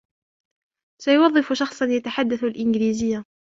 سيوظف شخصا يتحدث الإنجليزية.